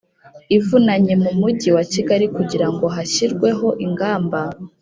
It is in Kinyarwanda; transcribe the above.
ivunanye mu Mujyi wa Kigali kugira ngo hashyirweho ingamba